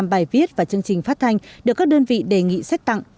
năm mươi năm bài viết và chương trình phát thanh được các đơn vị đề nghị xét tặng